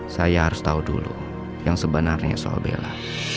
saya harus tahu dulu yang sebenarnya soal bela